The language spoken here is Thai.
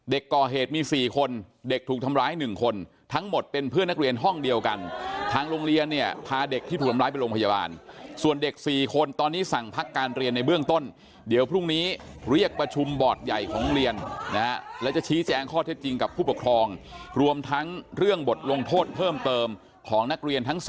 เด็กก่อเหตุมี๔คนเด็กถูกทำร้าย๑คนทั้งหมดเป็นเพื่อนนักเรียนห้องเดียวกันทางโรงเรียนเนี่ยพาเด็กที่ถูกทำร้ายไปโรงพยาบาลส่วนเด็ก๔คนตอนนี้สั่งพักการเรียนในเบื้องต้นเดี๋ยวพรุ่งนี้เรียกประชุมบอร์ดใหญ่ของโรงเรียนนะฮะแล้วจะชี้แจงข้อเท็จจริงกับผู้ปกครองรวมทั้งเรื่องบทลงโทษเพิ่มเติมของนักเรียนทั้ง๔